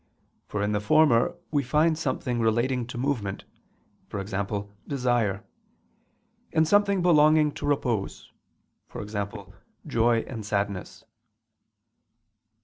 For in the former we find something relating to movement e.g. desire; and something belonging to repose, e.g. joy and sadness.